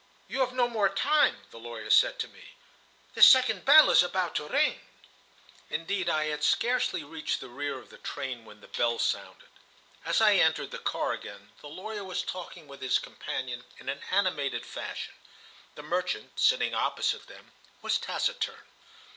"You have no more time," the lawyer said to me. "The second bell is about to ring." Indeed I had scarcely reached the rear of the train when the bell sounded. As I entered the car again, the lawyer was talking with his companion in an animated fashion. The merchant, sitting opposite them, was taciturn.